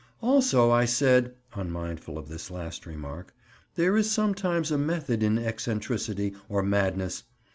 "Also I said," unmindful of this last remark, "there is sometimes a method in eccentricity, or madness.